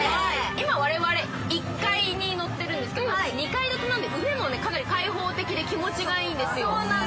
今、我々１階に乗ってるんですけど、２階建てなので上もかなり開放的で気持ちいいんですよ。